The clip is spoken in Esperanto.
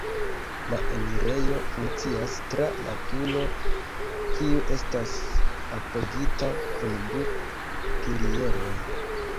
La enirejo funkcias tra la turo, kiu estas apogita kun du pilieroj.